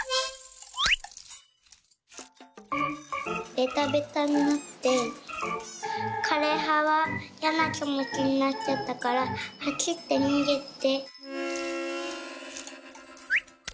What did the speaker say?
「ベタベタになってかれははいやなきもちになっちゃったからはしってにげて」。